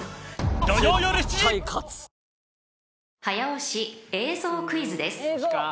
［早押し映像クイズです］